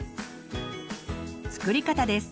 作り方です。